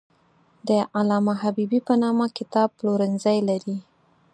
د علامه حبیبي په نامه کتاب پلورنځی لري.